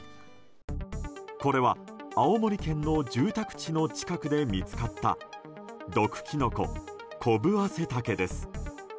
これは青森県の住宅地の近くで見つかった毒キノコ、コブアセタケです。